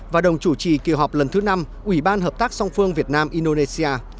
và đồng chủ trì kỳ họp lần thứ năm ủy ban hợp tác song phương việt nam indonesia